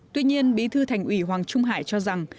tuy nhiên bí thư thành ủy hoàng trung hải cho rằng